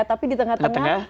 tapi di tengah tengah